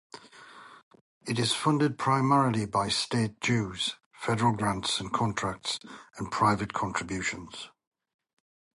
It is funded primarily by state dues, federal grants and contracts, and private contributions.